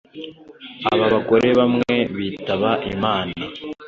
Aba bagore bamwe bitaba Imana